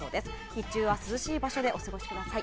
日中は涼しい場所でお過ごしください。